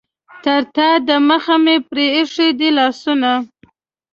تر تا دمخه مې پرې ایښي دي لاسونه.